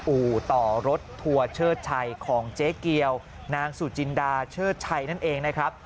อู่ต่อรถทัวร์เชิดชัยของเจ๊เกียวนางสุจินดาเชิดชัยนั่นเองนะครับ